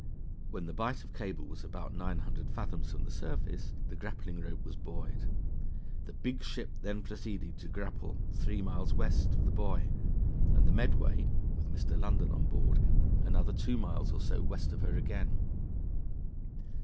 When the bight of cable was about 900 fathoms from the surface, the grappling rope was buoyed. The big ship then proceeded to grapple three miles west of the buoy (Fig. 41), and the Medway (with Mr. London on board) another two miles or so west of her again.